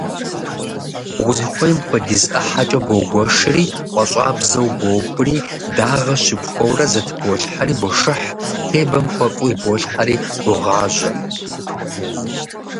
Узыхуейм хуэдиз ӏыхьэкӏэ боугуэшри пӏащӏабзэу бохури, дагъэ щыпхуэурэ зэтыболхьэри бошыхь, тебэм хуэфӏу иболъхьэри богъажьэ.